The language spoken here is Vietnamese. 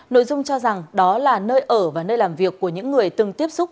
nội dung cho rằng đó là nơi ở và nơi làm việc của những người từng tiếp xúc